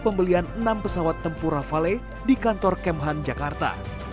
pembelian enam pesawat tempur rafale di kantor kemhan jakarta